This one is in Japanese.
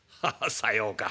さようか。